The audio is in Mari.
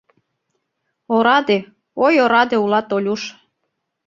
Ораде, ой ораде улат, Олюш!»